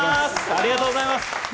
ありがとうございます！